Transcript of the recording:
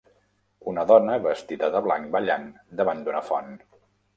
Una dona vestida de blanc ballant davant d'una font.